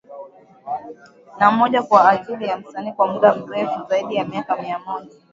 Na moja kwa ajili ya Msanii wa mda mrefu zaidi ya miaka mia moja